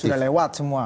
sudah lewat semua